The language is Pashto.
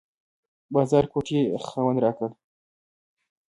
بازارګوټي یې خوند راکړ.